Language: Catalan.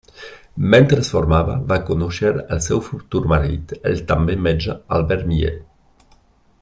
Mentre es formava va conèixer el seu futur marit, el també metge Albert Miller.